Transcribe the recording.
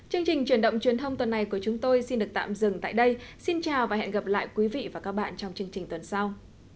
chương trình truyền động truyền thông tuần này của chúng tôi xin được tạm dừng tại đây xin chào và hẹn gặp lại quý vị và các bạn trong chương trình tuần sau